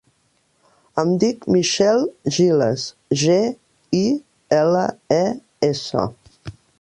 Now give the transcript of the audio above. Em dic Michelle Giles: ge, i, ela, e, essa.